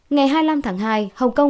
ngày hai mươi năm tháng hai hồng kông